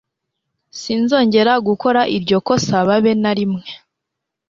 Sinzongera gukora iryo kosa babe narimwe.